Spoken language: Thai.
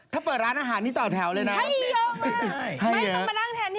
ถ้าเปิดร้านอาหารนี่ต่อแถวเลยนะไม่ต้องมานั่งแทนที่